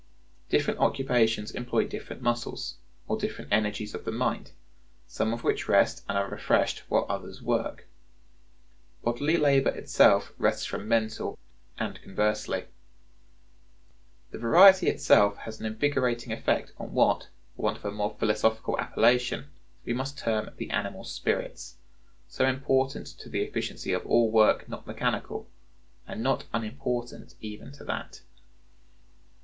(116) Different occupations employ different muscles, or different energies of the mind, some of which rest and are refreshed while others work. Bodily labor itself rests from mental, and conversely. The variety itself has an invigorating effect on what, for want of a more philosophical appellation, we must term the animal spirits—so important to the efficiency of all work not mechanical, and not unimportant even to that.